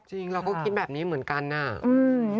จริงเราก็คิดแบบนี้เหมือนกันน่ะอืม